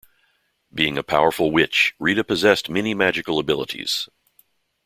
Being a powerful witch, Rita possessed many magical abilities.